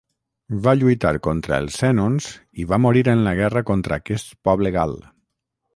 Va lluitar contra els sènons i va morir en la guerra contra aquest poble gal.